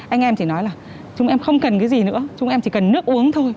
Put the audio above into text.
anh em chỉ nói là chúng em không cần cái gì nữa chúng em chỉ cần nước uống thôi